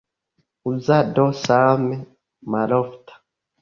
Uzado same malofta.